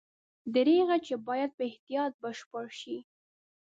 دریغه چې باید په احتیاط بشپړ شي.